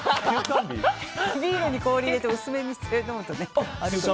ビールに氷入れて薄めにして飲むとね。